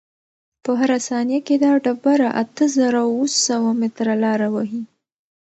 په هره ثانیه کې دا ډبره اته زره اوه سوه متره لاره وهي.